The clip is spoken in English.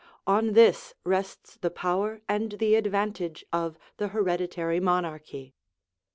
On this rests the power and the advantage of the hereditary monarchy.